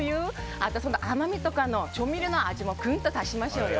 あと甘みとかの調味料の味もぐんと足しましょうと。